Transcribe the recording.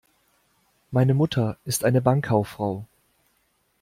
Meine Mutter ist eine Bankkauffrau.